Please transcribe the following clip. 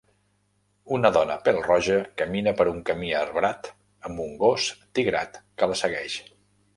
Una dona pèl-roja camina per un camí arbrat amb un gos tigrat que la segueix.